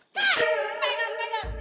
hah pegang pegang